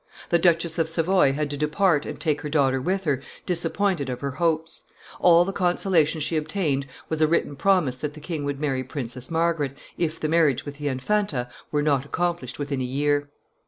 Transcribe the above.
The Duchess of Savoy had to depart and take her daughter with her, disappointed of her hopes; all the consolation she obtained was a written promise that the king would marry Princess Margaret, if the marriage with the Infanta were not accomplished within a year.